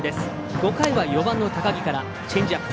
５回は４番の高木からチェンジアップ。